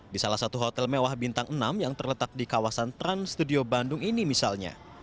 di salah satu hotel mewah bintang enam yang terletak di kawasan trans studio bandung ini misalnya